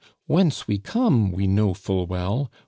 Whence we come we know full well.